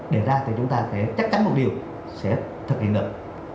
để ra thì chúng ta sẽ chắc chắn một điều sẽ thực hiện được